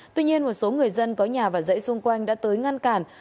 tuy nhiên một số người dân có nhà và dãy xung quanh đã tới ngăn cản